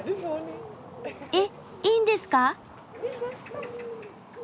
えっいいんですか！？